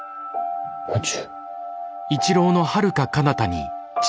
宇宙？